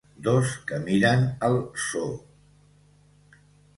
Dos que miren al zoo.